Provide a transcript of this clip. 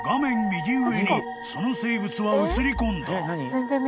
右上にその生物は映り込んだ］